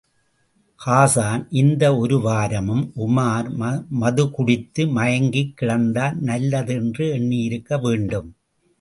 ஹாஸான் இந்த ஒரு வாரமும் உமார் மதுக்குடித்து மயங்கிக் கிடந்தால் நல்லது என்று எண்ணியிருக்க வேண்டும்.